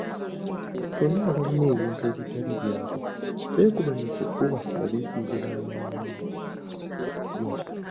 Bonna abalina ebintu ebitali byabwe beekube mu kifuba babiddize bannannyini byo.